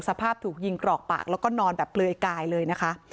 สภาพถูกยิงกรอกปากแล้วก็นอนแบบเปลือยกายเลยนะคะ